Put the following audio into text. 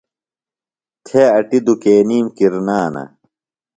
تھے اٹیۡ دُکینِیم کرنانہ۔